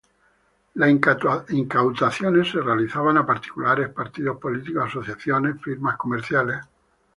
Las incautaciones se realizaban a particulares, partidos políticos, asociaciones, firmas comerciales.